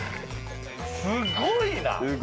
すごいな！